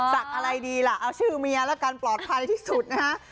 ศักดิ์อะไรดีล่ะเอาชื่อเมียล่ะกันปลอดภัยที่สุดนะคะ